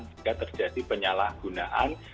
jika terjadi penyalahgunaan